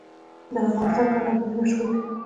د افغانستان ګنډ افغاني مشهور دی